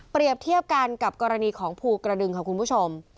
เทียบกันกับกรณีของภูกระดึงค่ะคุณผู้ชม